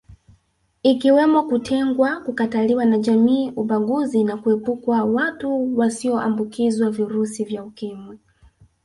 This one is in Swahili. Ikiwemo kutengwa kukataliwa na jamii ubaguzi na kuepukwa watu wasioambukizwa virusi vya Ukimwi